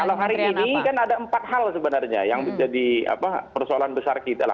kalau hari ini kan ada empat hal sebenarnya yang menjadi persoalan besar kita